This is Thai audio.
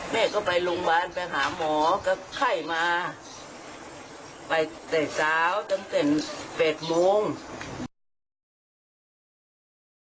แม่ก็ไปโรงพยาบาลไปหาหมอก็ไข้มาไปเตรียมสาวจนเป็นเฟศมุง